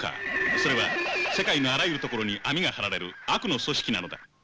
それは世界のあらゆるところに網が張られる悪の組織なのだ。